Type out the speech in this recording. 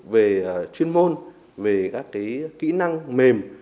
về chuyên môn về các kỹ năng mềm